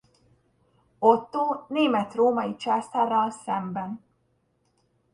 Ottó német-római császárral szemben.